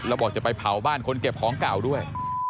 แล้วบอกจะไปเผาบ้านคนเก็บของเก่าด้วย